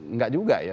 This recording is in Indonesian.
enggak juga ya